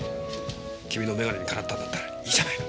君のメガネにかなったんだったらいいじゃない。